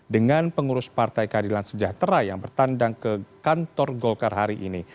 dengan pengurus partai keadilan sejahtera yang bertandang ke kantor golkar hari ini